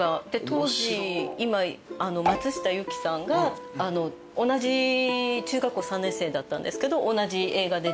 当時松下由樹さんが同じ中学校３年生だったんですけど。